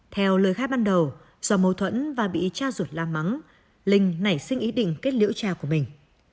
theo lời khai ban đầu do mâu thuẫn và bị cha ruột la mắng linh nảy sinh ý định kết liễu cha của mình